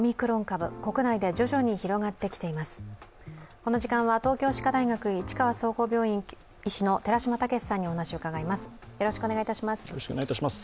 この時間は東京歯科大学市川総合病院医師の寺嶋毅さんにお話を伺います。